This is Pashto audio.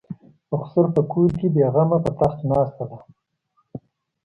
د خسر په کور کې بې غمه په تخت ناسته ده.